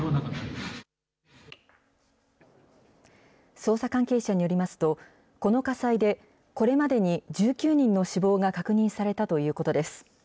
捜査関係者によりますと、この火災でこれまでに１９人の死亡が確認されたということです。